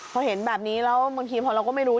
พอเห็นแบบนี้แล้วบางทีพอเราก็ไม่รู้